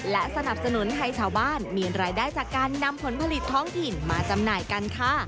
และสนับสนุนให้ชาวบ้านมีรายได้จากการนำผลผลิตท้องถิ่นมาจำหน่ายกันค่ะ